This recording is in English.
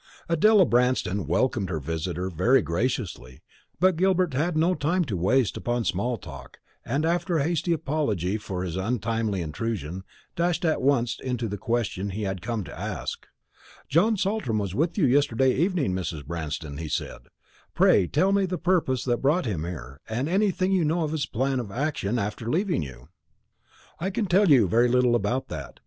Adela Branston welcomed her visitor very graciously; but Gilbert had no time to waste upon small talk, and after a hasty apology for his untimely intrusion, dashed at once into the question he had come to ask. "John Saltram was with you yesterday evening, Mrs. Branston," he said. "Pray tell me the purpose that brought him here, and anything you know of his plan of action after leaving you." "I can tell you very little about that.